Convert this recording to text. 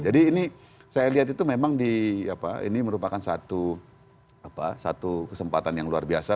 jadi ini saya lihat itu memang ini merupakan satu kesempatan yang luar biasa